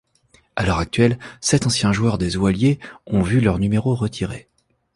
À l'heure actuelle, sept anciens joueurs des Oilers ont vu leur numéro retirés.